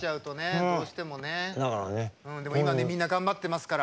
今、みんな頑張ってますから。